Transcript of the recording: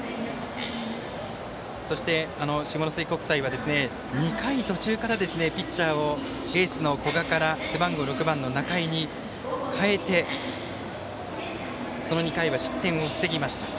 そして、下関国際は２回途中からピッチャーをエースの古賀から背番号６番の仲井に代えてその２回は、失点を防ぎました。